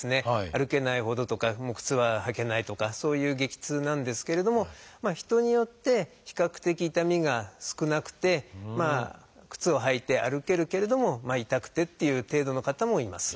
歩けないほどとか靴は履けないとかそういう激痛なんですけれども人によって比較的痛みが少なくてまあ靴を履いて歩けるけれどもまあ痛くてっていう程度の方もいます。